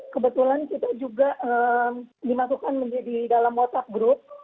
kebetulan kita juga dimasukkan menjadi dalam whatsapp group